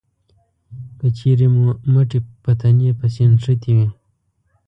که چېرې مو مټې په تنې پسې نښتې وي